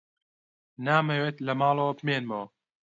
نامەوێت لە ماڵەوە بمێنمەوە.